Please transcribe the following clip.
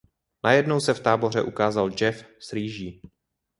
Najednou se v táboře ukázal Jeff s rýží.